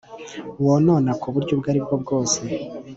wonona ku buryo ubwo ari bwo bwose